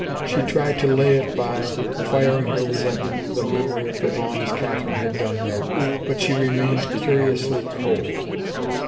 She tried to lay it by firing her resentment with a memory of the wrongs Catherine had done her, but she remained curiously cold.